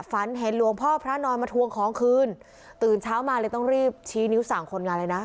ฝันเห็นหลวงพ่อพระนอนมาทวงของคืนตื่นเช้ามาเลยต้องรีบชี้นิ้วสั่งคนงานเลยนะ